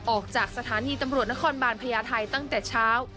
ออกจากสถานีตำรวจนครบาลพญาไทยตั้งแต่เช้า